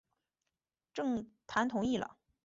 郑覃同意了。